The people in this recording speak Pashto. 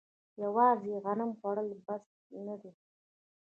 یوازې غنم خوړل بس نه دي.